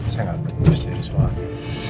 saya gak penting jadi suami